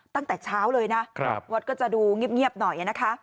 ตั้งแต่เช้าเลยนะวัดก็จะดูเงียบหน่อยนะคะ